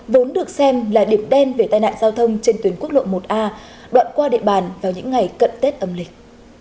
vốn được xem là điểm đen về tai nạn giao thông trên tuyến quốc lộ một a đoạn qua địa bàn vào những ngày cận tết âm lịch